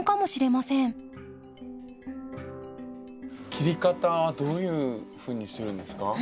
切り方はどういうふうにするんですか？